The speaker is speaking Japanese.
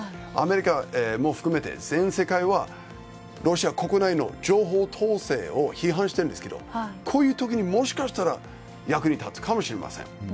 アメリカも含めて全世界はロシア国内の情報統制を批判しているんですけどこういう時にもしかしたら役に立つかもしれません。